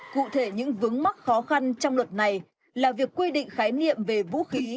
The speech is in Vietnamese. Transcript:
cụ thể những vướng mắc khó khăn trong luật này là việc quy định khái niệm về vũ khí